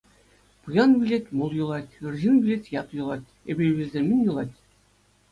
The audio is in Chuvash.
Пуян вилет — мул юлать, ыр ҫын вилет — ят юлать, эпӗ вилсен, мӗн юлать?